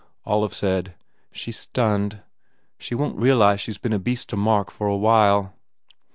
Olive said, "She s stunned. She won t realize she s been a beast to Mark for a while."